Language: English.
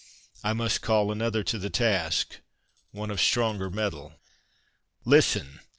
I must call another to the task — one of stronger metal. Listen